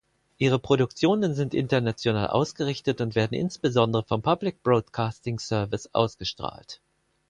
Ihre Produktionen sind international ausgerichtet und werden insbesondere vom Public Broadcasting Service ausgestrahlt.